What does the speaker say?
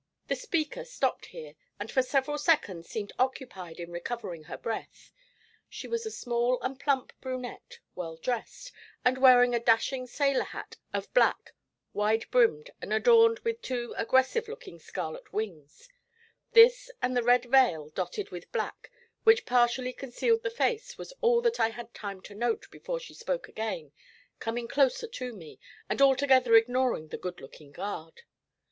The speaker stopped here, and for several seconds seemed occupied in recovering her breath. She was a small and plump brunette, well dressed, and wearing a dashing sailor hat of black, wide brimmed and adorned with two aggressive looking scarlet wings; this and the red veil dotted with black which partially concealed the face was all that I had time to note before she spoke again, coming closer to me and altogether ignoring the good looking guard.